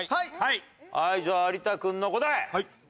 じゃあ有田君の答え。